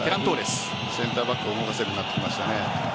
センターバックを動かせるようになってきましたね。